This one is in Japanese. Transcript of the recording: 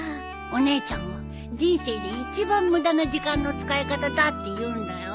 お姉ちゃんは「人生で一番無駄な時間の使い方だ」って言うんだよ。